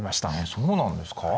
そうなんですか。